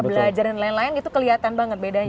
belajar dan lain lain itu kelihatan banget bedanya